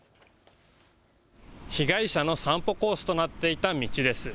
被害者の散歩コースとなっていた道です。